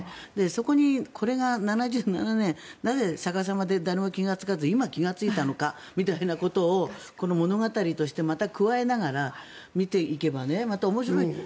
そこにこれが７７年なぜ逆さまで誰も気がつかず今、気がついたのかみたいなことをこの物語としてまた加えながら見ていけばまた面白い。